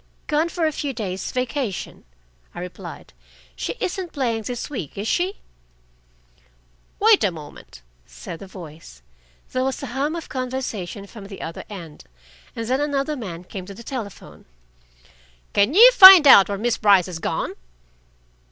"Gone for a few days' vacation," I replied. "She isn't playing this week, is she?" "Wait a moment," said the voice. There was a hum of conversation from the other end, and then another man came to the telephone. "Can you find out where Miss Brice has gone?"